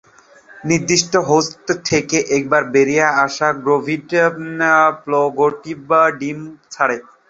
নির্দিষ্ট হোস্ট থেকে একবার বেরিয়ে আসা গ্রাভিড প্রোগ্লোটিড ডিম ছাড়ে।